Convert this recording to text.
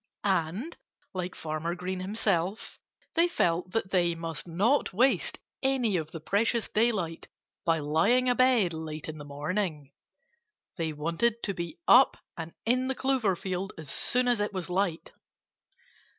And, like Farmer Green himself, they felt that they must not waste any of the precious daylight by lying abed late in the morning. They wanted to be up and in the clover field as soon as it was light.